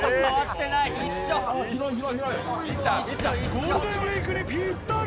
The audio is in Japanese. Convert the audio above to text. ゴールデンウイークにぴったり。